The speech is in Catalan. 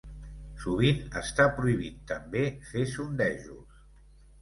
Sovint està prohibit també fer sondejos.